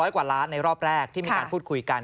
กว่าล้านในรอบแรกที่มีการพูดคุยกัน